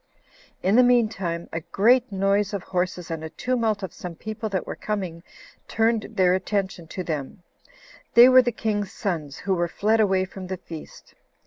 In the mean time, a great noise of horses, and a tumult of some people that were coming, turned their attention to them; they were the king's sons, who were fled away from the feast.